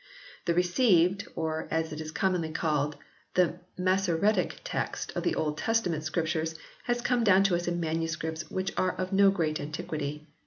The Received, or, as it is commonly called, the Massoretic Text of the Old Testament Scriptures, has come down to us in manuscripts which are of no great antiquity.